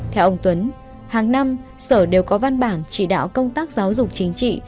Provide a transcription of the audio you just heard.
theo ông tuấn hàng năm sở đều có văn bản chỉ đạo công tác giáo dục chính trị